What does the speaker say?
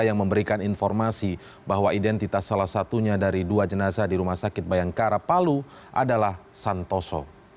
yang memberikan informasi bahwa identitas salah satunya dari dua jenazah di rumah sakit bayangkara palu adalah santoso